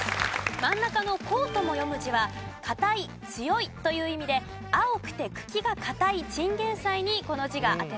真ん中の「梗」とも読む字は「かたい」「強い」という意味で青くて茎がかたいチンゲンサイにこの字が当てられています。